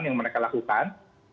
yang mereka lakukan